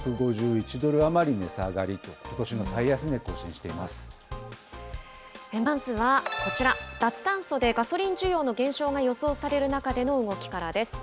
１５１ドル余り値下がりと、ことまずはこちら、脱炭素でガソリン需要の減少が予想される中での動きからです。